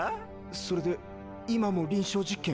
それで今も臨床実験を？